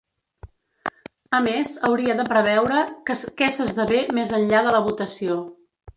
A més, hauria de preveure què s’esdevé més enllà de la votació.